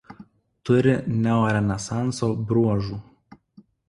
Turi neorenesanso bruožų.